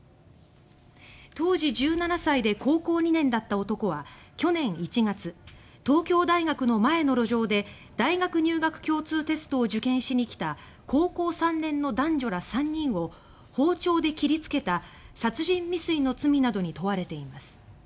当時１７歳で高校２年だった男は去年１月東京大学の前の路上で大学入学共通テストを受験しに来た高校３年の男女ら３人を包丁で切りつけた殺人未遂の罪などに問われています。